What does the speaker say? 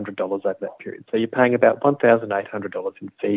jadi anda membayar sekitar satu delapan ratus dalam pinjaman dan keuntungan